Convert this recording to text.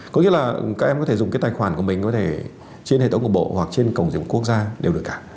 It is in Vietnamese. có nghĩa là các em có thể dùng cái tài khoản của mình có thể trên hệ thống của bộ hoặc trên cổng dịch vụ quốc gia đều được cả